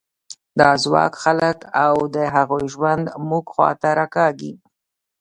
دا ځواک خلک او د هغوی ژوند موږ خوا ته راکاږي.